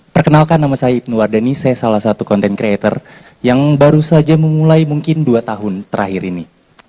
perkenalkan nama saya ibnu wardani saya salah satu content creator yang baru saja memulai mungkin dua tahun terakhir ini